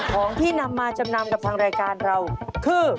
ของที่นำมาจำนำกับทางรายการเราคือ